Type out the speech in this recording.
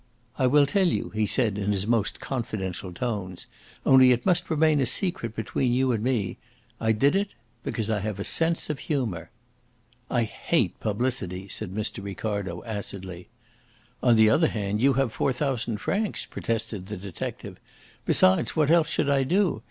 "I will tell you," he said, in his most confidential tones. "Only it must remain a secret between you and me. I did it because I have a sense of humour." "I hate publicity," said Mr. Ricardo acidly. "On the other hand you have four thousand francs," protested the detective. "Besides, what else should I do?